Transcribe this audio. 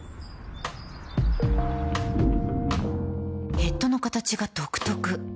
ヘッドの形が独特